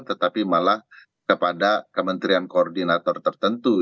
tetapi malah kepada kementerian koordinator tertentu